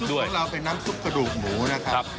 น้ำซุปของเรานึงน้ำซุปกระดูกหมูนะครับ